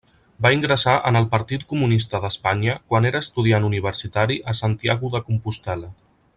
Va ingressar en el Partit Comunista d'Espanya quan era estudiant universitari a Santiago de Compostel·la.